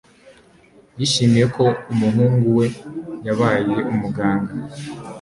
Yishimiye ko umuhungu we yabaye umuganga